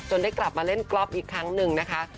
ได้กลับมาเล่นกรอบอีกครั้งหนึ่งนะคะ